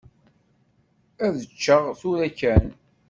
Ad ččeɣ tura kan.